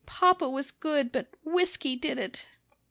Papa was good, but whisky did it!"